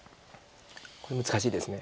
これ難しいです。